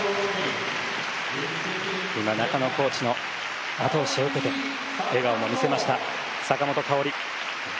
今中野コーチの後押しを受けて笑顔も見せました坂本花織。